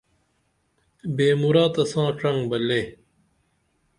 بے مُراتہ ساں ڇنگ بہ لے